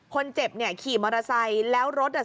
คนเจ็บเนี่ยขี่มอเตอร์ไซค์แล้วรถอ่ะ